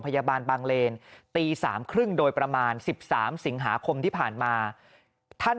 พยาบาลบางเลนตีสามครึ่งโดยประมาณ๑๓สิงหาคมที่ผ่านมาท่าน